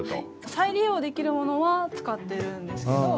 再利用できるものは使ってるんですけど。